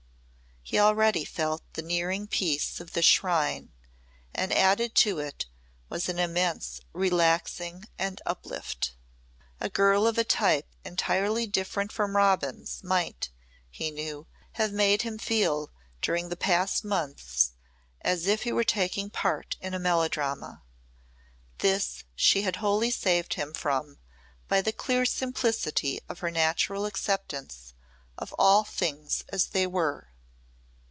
He already felt the nearing peace of the shrine and added to it was an immense relaxing and uplift. A girl of a type entirely different from Robin's might, he knew, have made him feel during the past months as if he were taking part in a melodrama. This she had wholly saved him from by the clear simplicity of her natural acceptance of all things as they were.